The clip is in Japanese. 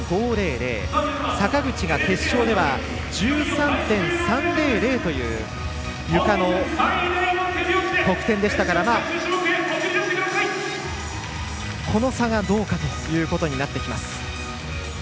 坂口が決勝では１３．３００というゆかの得点でしたからこの差がどうかということになってきます。